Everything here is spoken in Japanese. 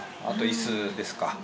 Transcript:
あとイスですか。